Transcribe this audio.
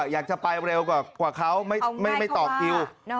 อยากจะไปเร็วกว่าเขาไม่ต่อคิว